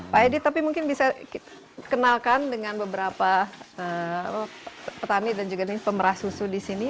pak edi tapi mungkin bisa kenalkan dengan beberapa petani dan juga pemerah susu di sini